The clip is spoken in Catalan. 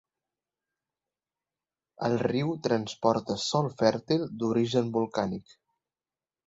El riu transporta sòl fèrtil d'origen volcànic.